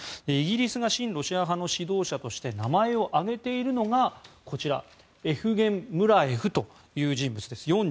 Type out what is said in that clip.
イギリスが親ロシア派の指導者として名前を挙げているのがこちら、エフゲン・ムラエフという人物です。